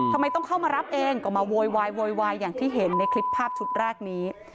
ทำไมต้องเข้ามารับเองก็มาโวยวายโวยวายอย่างที่เห็นในคลิปภาพชุดแรกนี้